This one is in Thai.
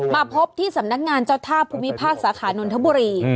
มาพบที่สำนักงานเจ้าท่าภูมิภาคสาขานนทบุรี